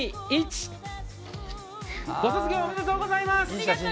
ご卒業おめでとうございます！